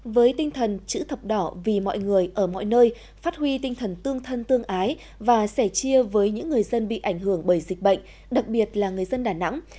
với tinh thần chữ thập đỏ vì mọi người ở mọi nơi phát huy tinh thần tương thân tương ái và sẻ chia với những người dân bị ảnh hưởng bởi dịch bệnh đặc biệt là người dân đà nẵng